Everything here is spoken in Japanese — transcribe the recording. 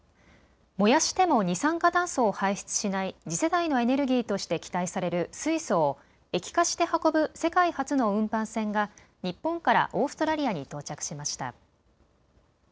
燃やしても二酸化炭素を排出しない次世代のエネルギーとして期待される水素を液化して運ぶ世界初の運搬船が日本からオーストラリアに到着しました。